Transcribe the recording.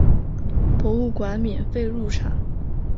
博物馆免费入场。